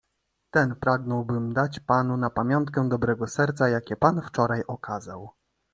"Ten pragnąłbym dać panu, na pamiątkę dobrego serca, jakie pan wczoraj okazał."